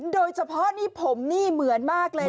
โดยเฉพาะนี่ผมนี่เหมือนมากเลย